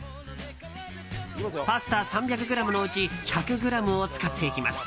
パスタ３００ｇのうち１００ｇを使っていきます。